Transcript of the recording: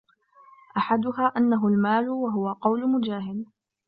أَحَدُهَا أَنَّهُ الْمَالُ وَهُوَ قَوْلُ مُجَاهِدٍ